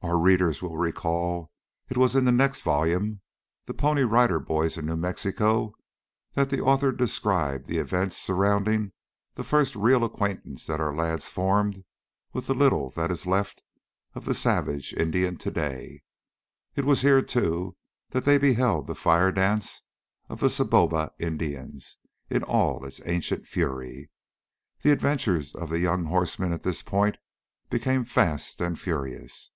As our readers will recall, it was in the next volume, "The Pony Rider Boys in New Mexico," that the author described the events surrounding the first real acquaintance that our lads formed with the little that is left of the savage Indian to day. It was here, too, that they beheld the fire dance of the Saboba Indians in all its ancient fury. The adventures of the young horsemen at this point became fast and furious.